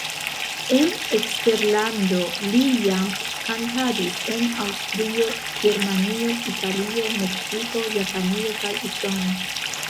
En eksterlando li jam kantadis en Aŭstrio, Germanio, Italio, Meksiko, Japanio kaj Usono.